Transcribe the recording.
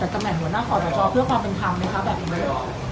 จากตำแหน่งหัวหน้าขอตะเจ้าเพื่อความเป็นคำนะคะแบบนี้